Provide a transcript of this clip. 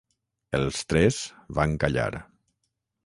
Els tres van callar.